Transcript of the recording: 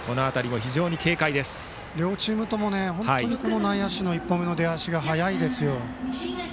両チームとも内野手の一歩目の出足が早いですよ。